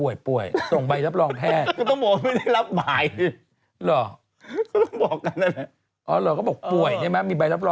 คุณจะคุยคนนี้แหมรับหมายบ่อยขึ้นศาลก็บ่อยแจ้งภาพก็บ่อย